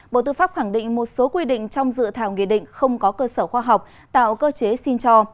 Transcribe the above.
bộ tư pháp khẳng định một số quy định trong dự thảo nghị định không có cơ sở khoa học tạo cơ chế xin cho